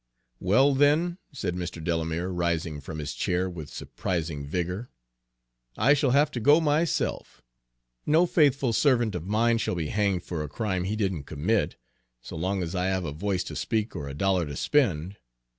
"Well, then," said Mr. Delamere, rising from his chair with surprising vigor, "I shall have to go myself. No faithful servant of mine shall be hanged for a crime he didn't commit, so long as I have a voice to speak or a dollar to spend.